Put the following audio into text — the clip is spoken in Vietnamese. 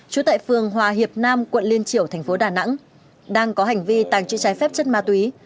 chú tại phường hòa hiệp nam quận liên triểu thành phố đà nẵng đang có hành vi tảng chữ trái phép chất ma túy